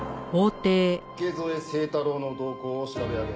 池添清太郎の動向を調べ上げ。